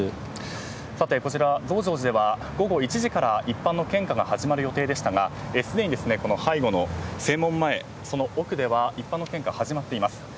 こちら、増上寺では午後１時から一般の献花が始まる予定でしたがすでに背後の正門前その奥では一般の献花が始まっています。